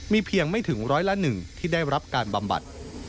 เพียงไม่ถึงร้อยละ๑ที่ได้รับการบำบัด